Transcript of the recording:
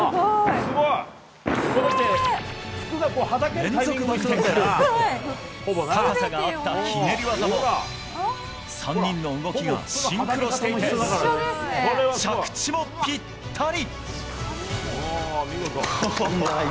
連続バク転から高さが合ったひねり技も３人の動きがシンクロしていて着地もぴったり。